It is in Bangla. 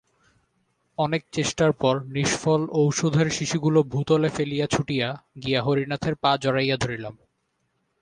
অনেক চেষ্টার পর নিষ্ফল ঔষধের শিশিগুলা ভূতলে ফেলিয়া ছুটিয়া গিয়া হরিনাথের পা জড়াইয়া ধরিলাম।